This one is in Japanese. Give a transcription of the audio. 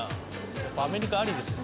やっぱアメリカはありですね